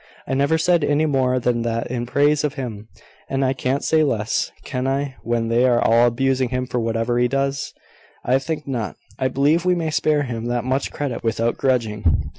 I never said any more than that in praise of him; and I can't say less, can I, when they are all abusing him for whatever he does?" "I think not. I believe we may spare him that much credit without grudging."